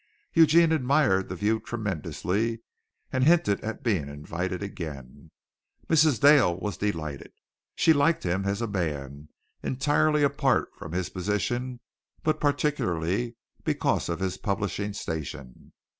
Eugene admired the view tremendously and hinted at being invited again. Mrs. Dale was delighted. She liked him as a man entirely apart from his position but particularly because of his publishing station.